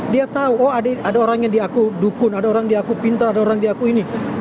dia tahu oh ada orang yang diaku dukun ada orang diaku pintar ada orang diaku ini